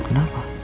sebelum kamu datang